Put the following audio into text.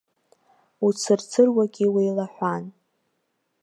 Уцырцыруагьы уеилаҳәан.